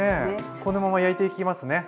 このまま焼いていきますね。